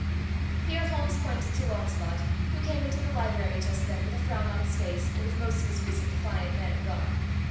Here Holmes pointed to Launcelot, who came into the library just then with a frown on his face and with most of his recent defiant manner gone.